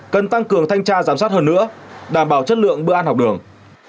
cần tăng cường thanh tra giám sát hơn nữa đảm bảo chất lượng bữa ăn học đường